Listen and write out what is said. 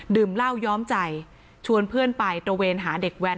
เหล้าย้อมใจชวนเพื่อนไปตระเวนหาเด็กแว้น